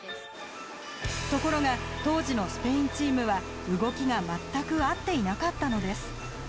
ところが当時のスペインチームは動きが全く合っていなかったのです。